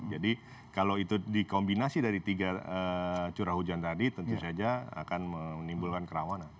jadi kalau itu dikombinasi dari tiga curah hujan tadi tentu saja akan menimbulkan kerawanan